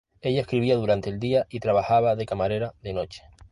Ella escribía durante el día y trabajaba de camarera de noche.